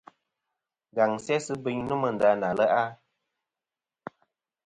Ngaŋ sesɨ biyn nômɨ nda na le'a.